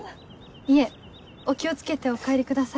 いえお気を付けてお帰りください。